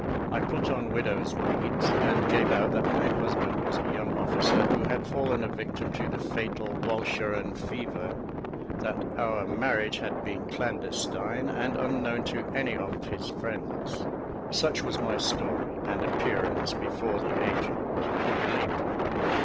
I put on widow's weeds, and gave out that my husband was a young officer, who had fallen a victim to the fatal Walcheren fever; that our marriage had been clandestine, and unknown to any of his friends: such was my story and appearance before the agent, who believed me.